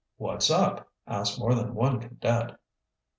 "What's up?" asked more than one cadet.